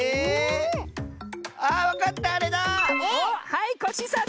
はいコッシーさん